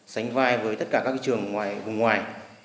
sánh vai với tất cả các trường vùng ngoài